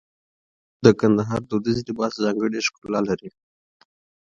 د کندهار دودیز لباس ځانګړی ښکلا لري.